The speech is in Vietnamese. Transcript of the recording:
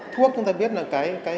thuốc chúng ta biết là cái